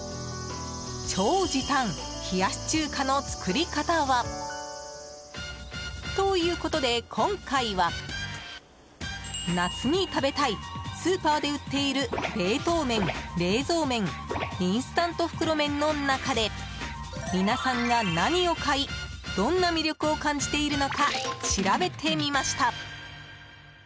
超時短、冷やし中華の作り方は。ということで、今回は夏に食べたいスーパーで売っている冷凍麺、冷蔵麺インスタント袋麺の中で皆さんが何を買いどんな魅力を感じているのか調べてみました。